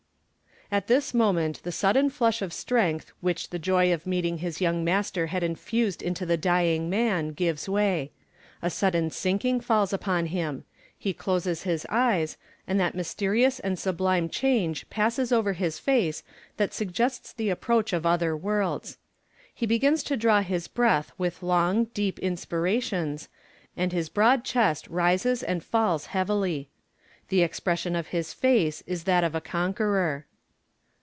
At this moment the sudden flush of strength which the joy of meeting his young master had infused into the dying man gives way. A sudden sinking falls upon him; he closes his eyes; and that mysterious and sublime change passes over his face that suggests the approach of other worlds. He begins to draw his breath with long, deep inspirations, and his broad chest rises and falls heavily. The expression of his face is that of a conqueror.